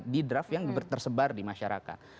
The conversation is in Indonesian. di draft yang tersebar di masyarakat